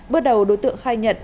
bước đầu đối tượng khai nhận